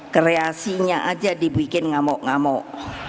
kreasinya aja dibikin ngamuk ngamuk